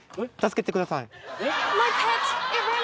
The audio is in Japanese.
助けてください。